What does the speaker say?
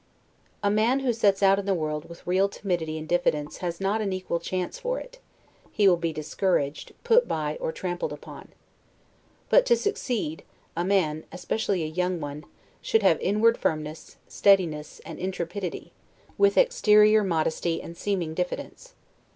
A man who sets out in the world with real timidity and diffidence has not an equal chance for it; he will be discouraged, put by, or trampled upon. But to succeed, a man, especially a young one, should have inward firmness, steadiness, and intrepidity, with exterior modesty and SEEMING diffidence.